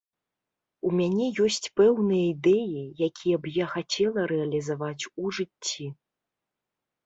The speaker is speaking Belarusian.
У мяне ёсць пэўныя ідэі, якія б я хацела рэалізаваць у жыцці.